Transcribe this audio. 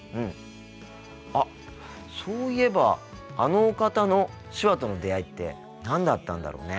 あっそういえばあのお方の手話との出会いって何だったんだろうね。